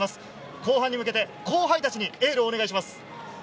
後半に向けて後輩たちにエールをお願いします。